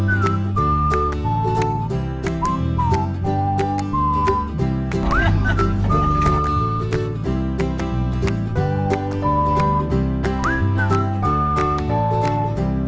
มันในเลือดมันในเลือด